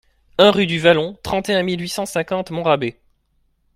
un rUE DU VALLON, trente et un mille huit cent cinquante Montrabé